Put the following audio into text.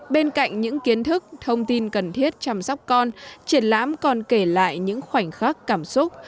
bên cạnh những kiến thức thông tin cần thiết chăm sóc con triển lãm còn kể lại những khoảnh khắc cảm xúc